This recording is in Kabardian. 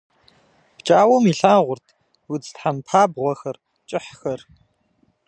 Пкӏауэм илъагъурт удз тхьэмпабгъуэхэр, кӏыхьхэр.